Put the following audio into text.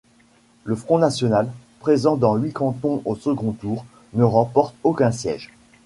Le Front national, présent dans huit cantons au second tour, ne remporte aucun siège.